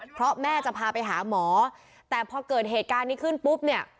เพราะแม่จะพาไปหาหมอแต่พอเกิดเหตุการณ์นี้ขึ้นปุ๊บเนี่ย